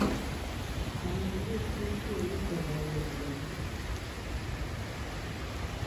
长门裕之是日本的演员。